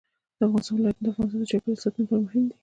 د افغانستان ولايتونه د افغانستان د چاپیریال ساتنې لپاره مهم دي.